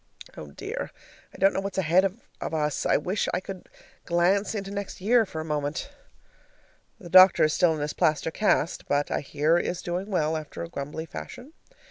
Oh dear, I don't know what's ahead of us! I wish I could glance into next year for a moment. The doctor is still in his plaster cast, but I hear is doing well, after a grumbly fashion.